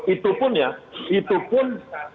itu pun ya itu pun